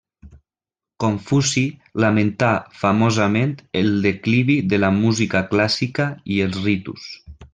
Confuci lamentà famosament el declivi de la música clàssica i els ritus.